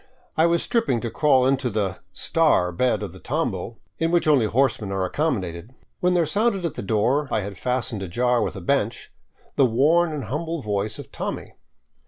I was stripping to crawl into the " star '* bed of the tambo — in which only horsemen are accommodated — when there sounded at the door I had fastened ajar with a bench, the worn and humble voice of Tommy.